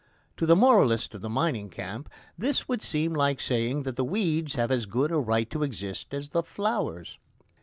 To the moralist of the mining camp this would seem like saying that the weeds have as good a right to exist as the flowers.